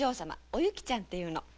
お雪ちゃんっていうのよ。